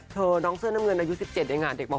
เธอน้องเสื้อน้ำเงินอายุ๑๗ในงานเด็กมา๖อ่ะ